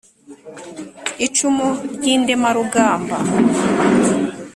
icumu ry’ indemarugamba